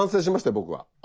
僕は。